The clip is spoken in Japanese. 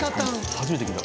初めて聞いた。